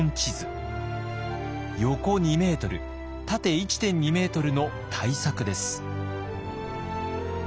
横２ｍ縦１．２ｍの大作です。